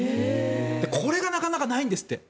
これがなかなかないんですって。